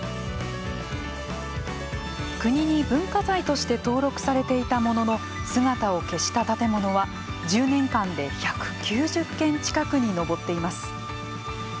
国に文化財として登録されていたものの姿を消した建物は、１０年間で１９０件近くに上っています。